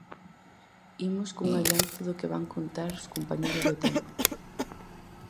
Imos cun adianto do que van contar os compañeiros do Tempo.